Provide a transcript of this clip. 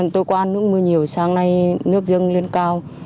tôi có ăn nước mưa nhiều sáng nay nước dâng lên cao